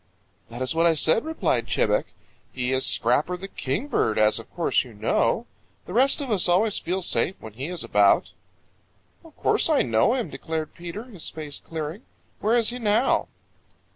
"That's what I said," replied Chebec. "He is Scrapper the Kingbird, as of course you know. The rest of us always feel safe when he is about." "Of course I know him," declared Peter, his face clearing. "Where is he now?"